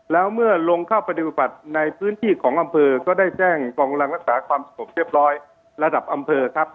แล้วเมื่อลงเข้าปฏิบัติในพื้นที่ของอำเภอก็ได้แจ้งกองกำลังรักษาความสงบเรียบร้อยระดับอำเภอครับ